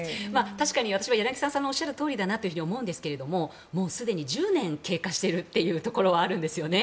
確かに、柳澤さんがおっしゃるとおりだなと思うんですけれどももうすでに１０年経過しているというところはあるんですよね。